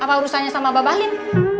apa urusannya sama bapak halim